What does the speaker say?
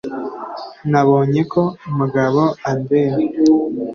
Nabonye ko Mugabo andeba.